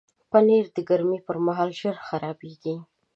پنېر د ګرمۍ پر مهال ژر خرابیږي.